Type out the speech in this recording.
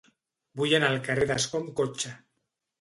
Vull anar al carrer d'Ascó amb cotxe.